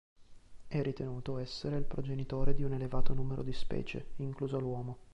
È ritenuto essere il progenitore di un elevato numero di specie, incluso l'uomo.